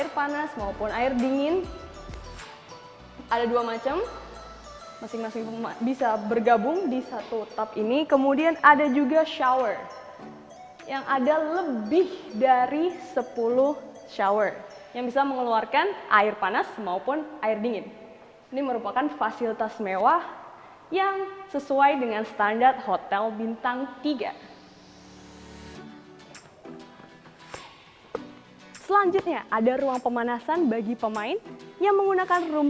tim nasional indonesia dan islandia berkesempatan untuk mencoba berbagai fasilitas baru stadion utama gelora bukarno akan digunakan untuk pertandingan persahabatan antara tim nasional indonesia u dua puluh tiga dengan tni